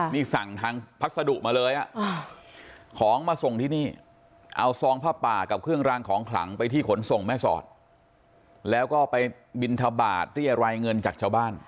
นี่สั่งทางพัสดุมาเลยของมาส่งที่นี่เอาซองผ้าป่ากับเครื่องรางของขลังไปที่ขนส่งแม่สอดแล้วก็ไปบินทบาทเรียรายเงินจากชาวบ้าน